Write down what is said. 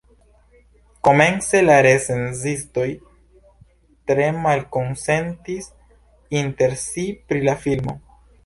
Komence la recenzistoj tre malkonsentis inter si pri la filmo.